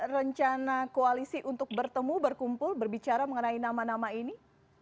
rencana koalisi untuk bertemu berkumpul berbicara mengenai nama nama ini